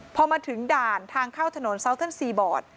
พอมาถึงด่านทางเข้าถนนซาวเทิร์นซีบอร์ด